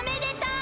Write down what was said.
う